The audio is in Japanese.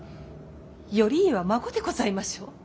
頼家は孫でございましょう。